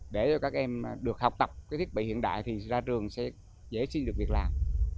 để cho các em được học tập cái thiết bị hiện đại thì ra trường sẽ dễ xin được việc làm